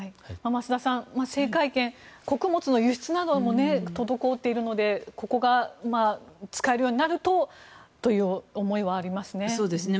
増田さん、制海権ですが穀物の輸出なども滞っているのでここが使えるようになるとという思いはありますね。